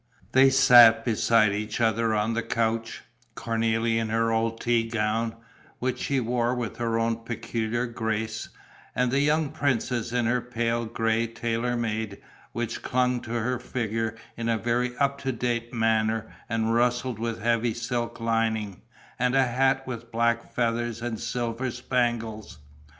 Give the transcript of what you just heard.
They sat beside each other on the couch, Cornélie in her old tea gown, which she wore with her own peculiar grace, and the young princess in her pale grey tailor made, which clung to her figure in a very up to date manner and rustled with heavy silk lining, and a hat with black feathers and silver spangles.